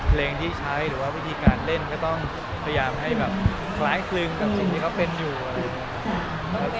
เพลงที่ใช้หรือว่าวิธีการเล่นก็ต้องพยายามให้แบบคล้ายคลึงกับสิ่งที่เขาเป็นอยู่อะไรอย่างนี้